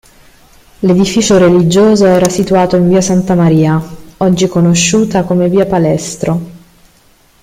L'edificio religioso era situato in via Santa Maria, oggi conosciuta come via Palestro.